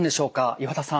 岩田さん。